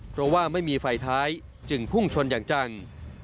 เพราะว่าไม่มีไฟท้ายจึงพุ่งชนอย่างจัง